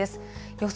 予想